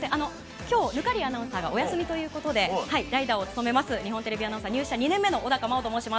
きょう、忽滑谷アナウンサーがお休みということで、代打を務めます、日本テレビアナウンサー２年目、小高茉緒と申します。